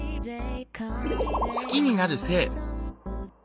好きになる性。